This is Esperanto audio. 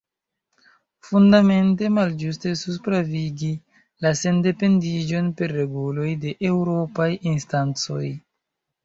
Fundamente malĝuste estus pravigi la sendependiĝon per reguloj de eŭropaj instancoj.